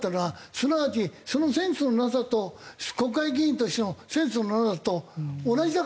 すなわちそのセンスのなさと国会議員としてのセンスのなさと同じだから。